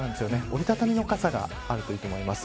折り畳みの傘があるといいと思います。